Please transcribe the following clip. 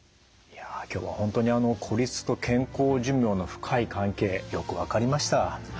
いや今日は本当に孤立と健康寿命の深い関係よく分かりました。